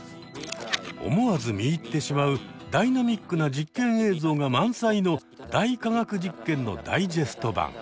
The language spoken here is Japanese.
思わず見入ってしまうダイナミックな実験映像が満載の「大科学実験」のダイジェスト版。